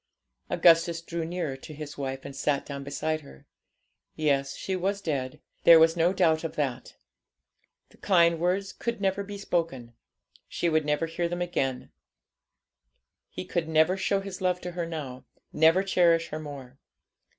Augustus drew nearer to his wife, and sat down beside her. Yes, she was dead; there was no doubt of that. The kind words could never be spoken, she would never hear him again, he could never show his love to her now, never cherish her more.